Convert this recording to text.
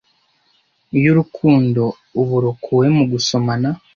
iyo urukundo ubu rukuwe mu gusomana